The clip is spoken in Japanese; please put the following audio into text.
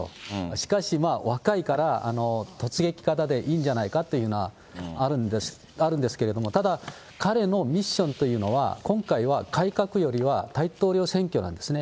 しかし若いから、突撃型でいいんじゃないかっていうのがあるんですけれども、ただ彼のミッションというのは、今回は改革よりは大統領選挙なんですね。